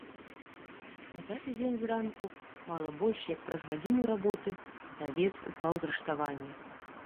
На пяты дзень зранку, мала больш як праз гадзіну работы, кравец упаў з рыштавання.